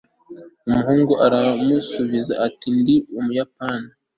umuhungu aramusubiza ati ndi umuyapani